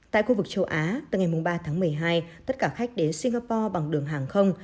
tại khu vực châu á từ ngày ba tháng một mươi hai tất cả khách đến singapore bằng đường hàng không